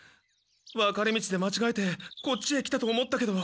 分かれ道でまちがえてこっちへ来たと思ったけど。